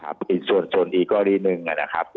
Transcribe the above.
ท่านรองโฆษกครับ